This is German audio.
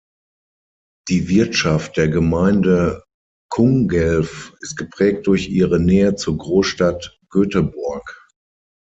Die Wirtschaft der Gemeinde Kungälv ist geprägt durch ihre Nähe zur Großstadt Göteborg.